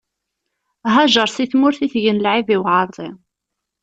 Hajeṛ si tmurt itegen lɛib i uɛeṛḍi.